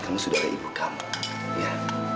kamu sudah ada ibu kamu ya